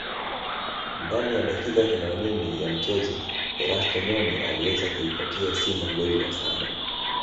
ndani ya dakika themanini ya mchezo Erasto Nyoni aliweza kuipatia Simba goli la saba